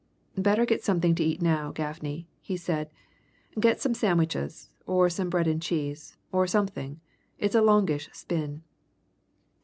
"Better get something to eat now, Gaffney," he said. "Get some sandwiches, or some bread and cheese, or something it's a longish spin."